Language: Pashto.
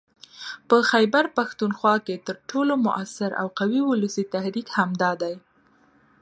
په خيبرپښتونخوا کې تر ټولو موثر او قوي ولسي تحريک همدا دی